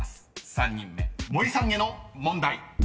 ［３人目森さんへの問題］